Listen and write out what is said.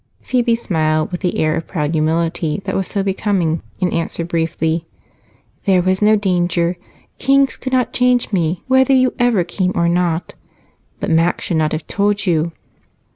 Phebe smiled with the air of proud humility that was so becoming and answered briefly: "There was no danger kings could not change me, whether you ever came or not. But Mac should not have told you."